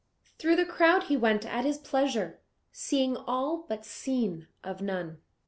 Through the crowd he went at his pleasure, seeing all but seen of none.